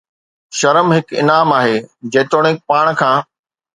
شرم هڪ انعام آهي، جيتوڻيڪ پاڻ کان